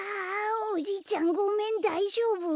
おじいちゃんごめんだいじょうぶ？